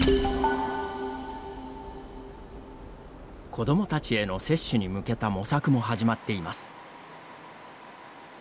子どもたちへの接種に向けた模索も始まっています。